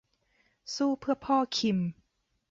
สู้เพื่อพ่อคิม !